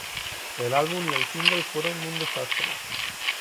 El álbum y el single fueron un desastre.